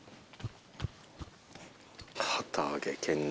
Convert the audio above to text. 旗揚げけん玉。